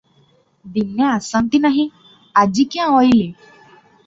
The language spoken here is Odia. ଦିନେ ଆସନ୍ତି ନାହିଁ, ଆଜି କ୍ୟାଁ ଅଇଲେ ।